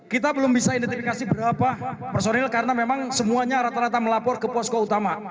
kita belum bisa identifikasi berapa personil karena memang semuanya rata rata melapor ke posko utama